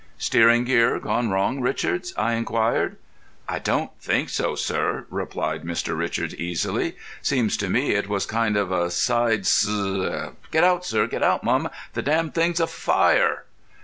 "Steering gear gone wrong, Richards?" I inquired. "I don't think so, sir," replied Mr. Richards easily. "Seems to me it was a kind of a side sl—— Get out, sir! Get out, mum! The dam thing's afire!"